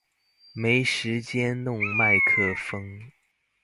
沒時間弄麥克風